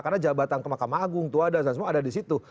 karena jabatan ke mahkamah agung itu ada dan semua ada disitu